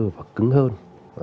và cứng hơn